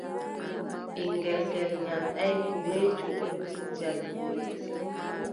Ɓiŋngel ngeel nyamɗaay, ko weeti o ɗon tijja duule.